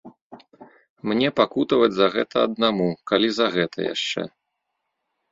Мне пакутаваць за гэта аднаму, калі за гэта яшчэ.